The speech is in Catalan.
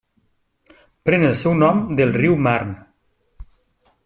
Pren el seu nom del riu Marne.